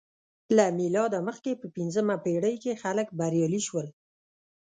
له میلاده مخکې په پنځمه پېړۍ کې خلک بریالي شول